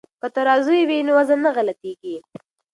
که ترازوی وي نو وزن نه غلطیږي.